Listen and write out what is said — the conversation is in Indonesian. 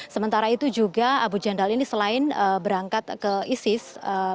sementara itu juga abu jandal ini selain berangkat ke isis